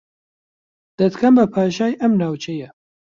دەتکەم بە پاشای ئەم ناوچەیە